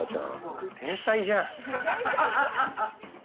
天才じゃん。